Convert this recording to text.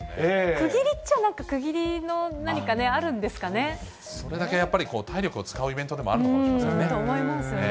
区切りっちゃあ、なんか区切それだけやっぱり、体力を使うイベントでもあるのかもしれませんね。と思いますよね。